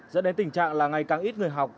dẫn đến tình trạng là ngày càng ít người học